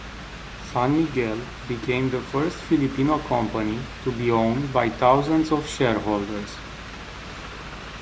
San Miguel became the first Filipino company to be owned by thousands of shareholders.